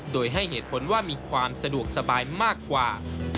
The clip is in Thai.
โดยให้เหตุผลว่ามีความสะดวกสบายมากกว่า